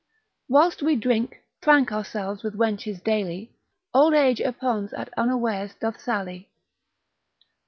Whilst we drink, prank ourselves, with wenches dally, Old age upon's at unawares doth sally.